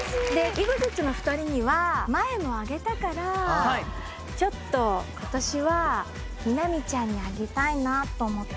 ＥＸＩＴの２人には前もあげたからちょっと今年は美波ちゃんにあげたいなと思って。